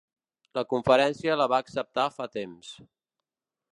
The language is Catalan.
La conferència la va acceptar fa temps.